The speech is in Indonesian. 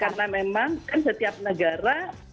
karena memang kan setiap negara